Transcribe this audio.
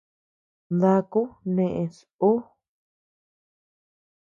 Daku neés uu.